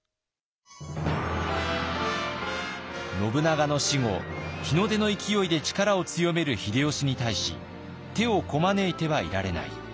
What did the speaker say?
信長の死後日の出の勢いで力を強める秀吉に対し手をこまねいてはいられない。